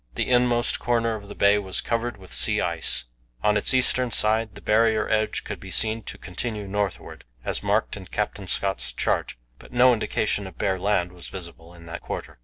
The inmost corner of the bay was covered with sea ice. On its eastern side the Barrier edge could be seen to continue northward, as marked in Captain Scott's chart; but no indication of bare land was visible in that quarter.